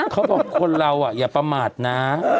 เขาบอกคนเราอย่าประมาทนะ